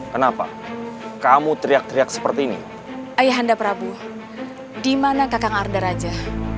kenapa kamu teriak teriak seperti ini ayah anda prabu dimana kakang arda raja